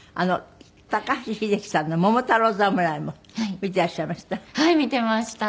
高橋英樹さんの『桃太郎侍』も見ていらっしゃいました？